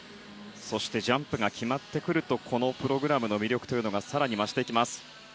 ジャンプが決まってくるとこのプログラムの魅力が更に増していきます。